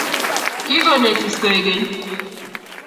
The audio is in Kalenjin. Kigonetis koek keny